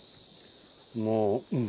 もううん。